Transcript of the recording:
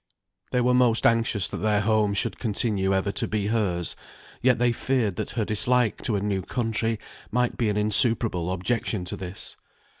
They were most anxious that their home should continue ever to be hers, yet they feared that her dislike to a new country might be an insuperable objection to this.